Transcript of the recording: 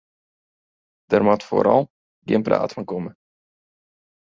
Der moat foaral gjin praat fan komme.